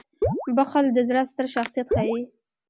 • بخښل د زړه ستر شخصیت ښيي.